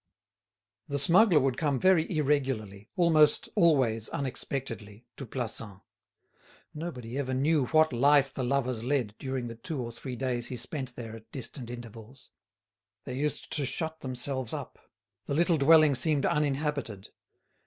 The smuggler would come very irregularly, almost always unexpectedly, to Plassans. Nobody ever knew what life the lovers led during the two or three days he spent there at distant intervals. They used to shut themselves up; the little dwelling seemed uninhabited.